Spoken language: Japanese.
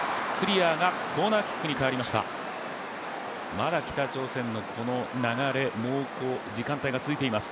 まだ北朝鮮の流れ、猛攻、時間帯が続いています。